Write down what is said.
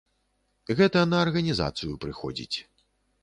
Гэта на арганізацыю прыходзіць.